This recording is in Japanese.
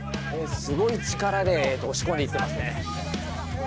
すごい力で押し込んでいってますね。